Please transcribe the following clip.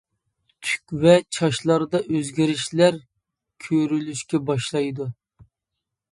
تۈك ۋە چاچلاردا ئۆزگىرىشلەر كۆرۈلۈشكە باشلايدۇ.